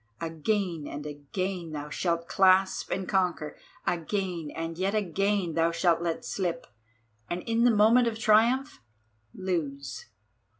Again, and yet again, thou shalt clasp and conquer; again, and yet again, thou shalt let slip, and in the moment of triumph lose.